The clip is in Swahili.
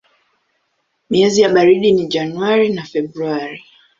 Miezi ya baridi ni Januari na Februari.